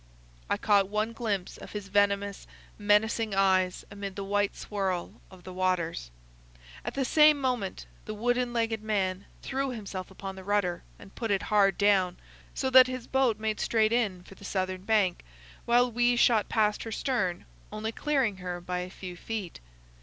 I caught one glimpse of his venomous, menacing eyes amid the white swirl of the waters. At the same moment the wooden legged man threw himself upon the rudder and put it hard down, so that his boat made straight in for the southern bank, while we shot past her stern, only clearing her by a few feet.